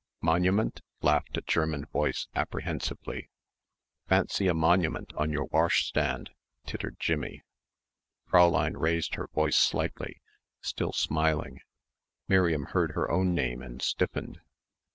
"Monument?" laughed a German voice apprehensively. "Fancy a monument on your washstand," tittered Jimmie. Fräulein raised her voice slightly, still smiling. Miriam heard her own name and stiffened.